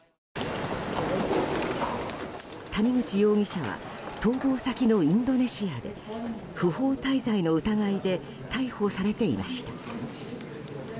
谷口容疑者は逃亡先のインドネシアで不法滞在の疑いで逮捕されていました。